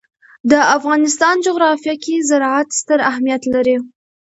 د افغانستان جغرافیه کې زراعت ستر اهمیت لري.